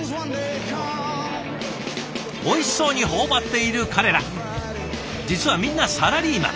おいしそうに頬張っている彼ら実はみんなサラリーマン。